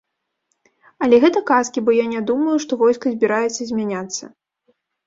Але гэта казкі, бо я не думаю, што войска збіраецца змяняцца.